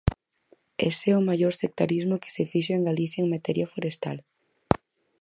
Ese é o maior sectarismo que se fixo en Galicia en materia forestal.